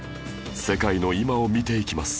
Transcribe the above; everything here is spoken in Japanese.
世界の今を見ていきます